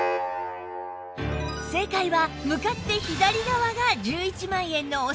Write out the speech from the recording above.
正解は向かって左側が１１万円のお品でした